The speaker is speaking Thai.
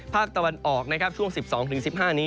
ภาคตะวันออกช่วง๑๒๑๕นี้